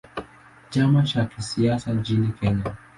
Chama cha kisiasa nchini Kenya.